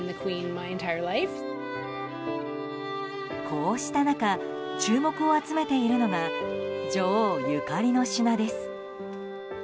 こうした中注目を集めているのが女王ゆかりの品です。